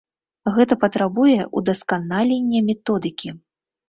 Гэта патрабуе ўдасканалення методыкі.